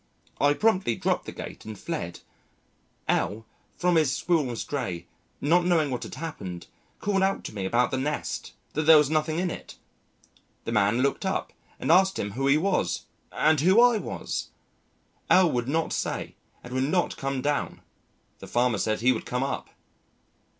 I promptly dropped the gate and fled. L from his Squirrel's drey, not knowing what had happened, called out to me about the nest that there was nothing in it. The man looked up and asked him who he was and who I was. L would not say and would not come down. The farmer said he would come up.